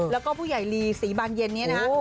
และก็ผู้ใหญ่รีสีบานเย็นนี้นะครับ